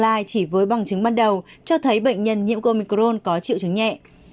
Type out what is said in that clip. lai chỉ với bằng chứng ban đầu cho thấy bệnh nhân nhiễm của omicron có triệu chứng nhẹ